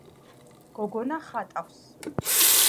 გოგონა ხატავს